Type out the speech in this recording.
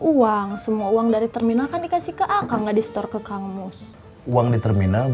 uang semua uang dari terminal kan dikasih ke akar nggak di store ke kamus uang di terminal